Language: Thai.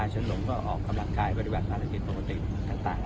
เชิ้ลหลวงออกกำลังนัดการหยิงอาหารอุปกฎิ